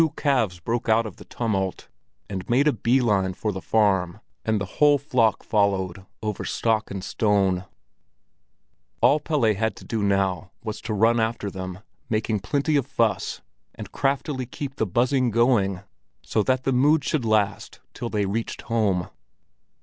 Two calves broke out of the tumult, and made a bee line for the farm, and the whole flock followed, over stock and stone. All Pelle had to do now was to run after them, making plenty of fuss, and craftily keep the buzzing going, so that the mood should last till they reached home.